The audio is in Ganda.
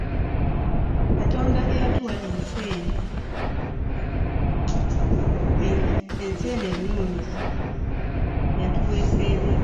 Katonda eyatuwa ensi ennungi eno yatuweesa ebiri.